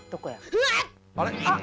「うわ！あっ」